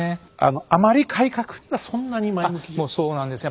あまり改革にはそんなに前向きじゃ。